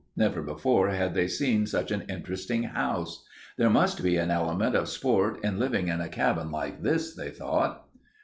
Never before had they seen such an interesting house. There must be an element of sport in living in a cabin like this, they thought.